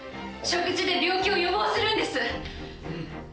食事で病気を予防するんです。